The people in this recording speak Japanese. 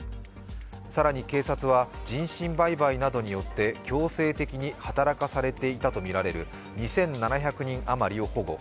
更に警察は人身売買などによって強制的に働かされていたとみられる２７００人余りを保護。